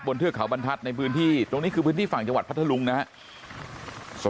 เทือกเขาบรรทัศน์ในพื้นที่ตรงนี้คือพื้นที่ฝั่งจังหวัดพัทธลุงนะครับ